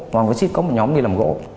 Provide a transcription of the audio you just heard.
hoàng phát xít có một nhóm đi làm gỗ